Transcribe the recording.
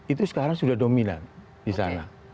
itu sekarang sudah dominan di sana